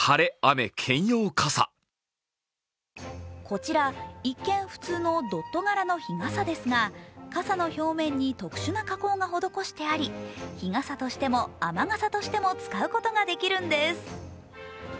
こちら、一見普通のドット柄の日傘ですが傘の表面に特殊な加工が施してあり日傘としても雨傘としても使うことができるんです。